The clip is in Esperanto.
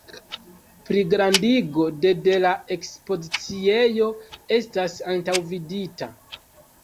Pligrandigo de de la ekspoziciejo estas antaŭvidita.